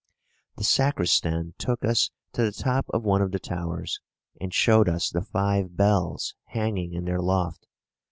The Sacristan took us to the top of one of the towers, and showed us the five bells hanging in their loft.